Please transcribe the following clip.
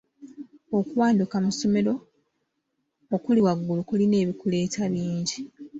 Okuwanduka mu ssomero okuli waggulu kulina ebikuleeta bingi.